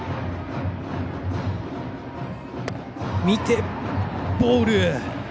見て、ボール。